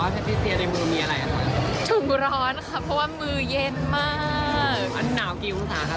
แพทริเซียในมือมีอะไรอ่ะคะ